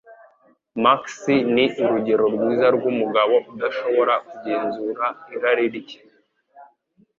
Max ni urugero rwiza rwumugabo udashobora kugenzura irari rye